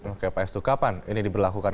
oke pak hestu kapan ini diberlakukan